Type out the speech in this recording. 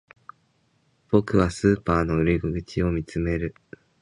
僕はスーパーの裏口を見つめる